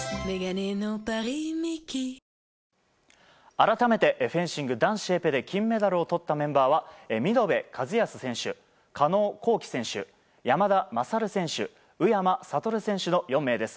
改めてフェンシング男子エペで金メダルをとったメンバーは見延和靖選手、加納虹輝選手山田優選手、宇山賢選手の４名です。